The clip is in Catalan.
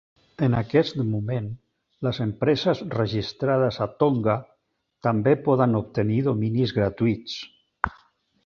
En aquest moment, les empreses registrades a Tonga també poden obtenir dominis gratuïts.